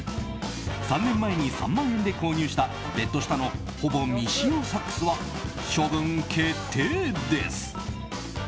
３年前に３万円で購入したベッド下のほぼ未使用サックスは処分決定です。